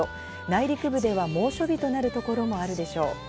内陸部では猛暑日となるところもあるでしょう。